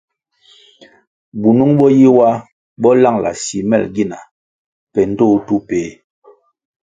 Bunung bo yi wa bo langʼla simel gina pe ndtoh tu peh.